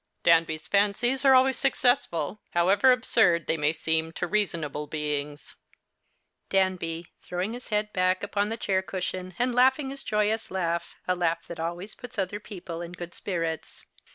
Danby 's fancies are always successful, however absurd they may seem to reasonable beings. Danby (throiving Ms liead hack ujwn the chair cushion and laughing his joyous laugh, a laugh that always puts other people in good spirits).